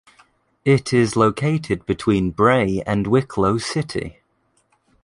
It is located between Bray and Wicklow city.